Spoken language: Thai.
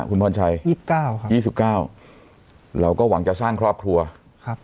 คุณพรชัยยี่สิบเก้าครับยี่สิบเก้าเราก็หวังจะสร้างครอบครัวครับ